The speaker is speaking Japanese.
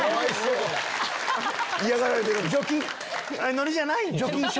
ノリじゃないんだ。